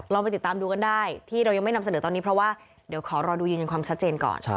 ไปติดตามดูกันได้ที่เรายังไม่นำเสนอตอนนี้เพราะว่าเดี๋ยวขอรอดูยืนยันความชัดเจนก่อน